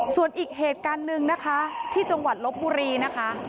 ส่วนอีกเหตุการณ์หนึ่งนะคะที่จังหวัดลบบุรีนะคะ